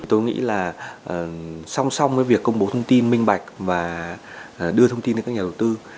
tôi nghĩ là song song với việc công bố thông tin minh bạch và đưa thông tin đến các nhà đầu tư